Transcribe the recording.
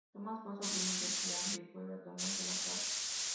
Tomás fue sobrino del Deán de Puebla Tomás de la Plaza.